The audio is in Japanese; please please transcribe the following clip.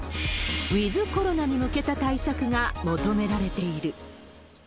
ウィズコロナに向けた対策が求められている。